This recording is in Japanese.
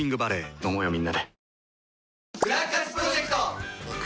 飲もうよみんなで。